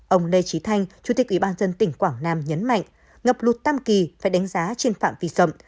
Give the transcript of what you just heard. ông lê trí thanh chủ tịch ủy ban dân tỉnh quảng nam nhấn mạnh ngập lụt tăm kỳ phải đánh giá trên phạm vị rộng